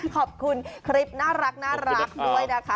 ขอบคุณคลิปน่ารักด้วยนะคะ